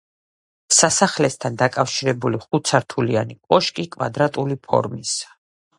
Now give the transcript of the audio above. სასახლესთან დაკავშირებული ხუთსართულიანი კოშკი კვადრატული ფორმისაა.